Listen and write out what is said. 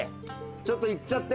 ちょっと行っちゃって。